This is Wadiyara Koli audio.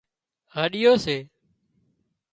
هاڏيو سي